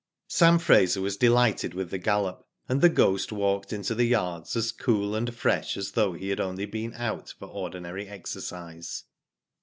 Sam Fraser was delighted with the gallop, and The Ghost walked into the yards as cool and fresh as though he had only been out for ordinary exercise.